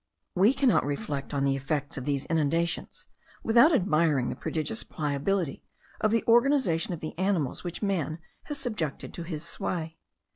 We cannot reflect on the effects of these inundations without admiring the prodigious pliability of the organization of the animals which man has subjected to his sway.